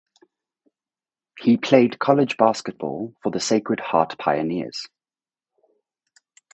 He played college basketball for the Sacred Heart Pioneers.